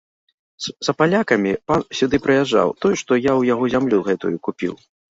За палякамі пан сюды прыязджаў, той, што я ў яго зямлю гэтую купіў.